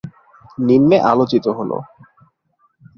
নিম্নে আলোচিত হলঃ